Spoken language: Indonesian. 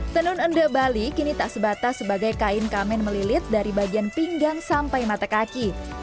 tenun endek bali kini tak sebatas sebagai kain kamen melilit dari bagian pinggang sampai mata kaki